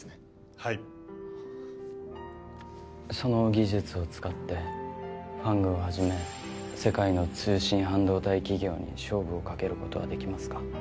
はいその技術を使ってＦＡＡＮＧをはじめ世界の通信半導体企業に勝負をかけることはできますか？